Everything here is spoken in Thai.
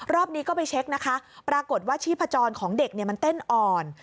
รอบนี้ก็ไปเช็คนะคะปรากฏว่าชีพจรของเด็กมันเต้นอ่อน